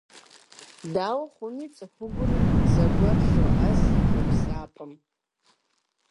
Дауэ хъуми, цӏыхугур зэгуэр лъоӏэс и хъуэпсапӏэм.